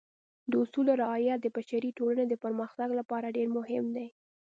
د اصولو رعایت د بشري ټولنې د پرمختګ لپاره ډېر مهم دی.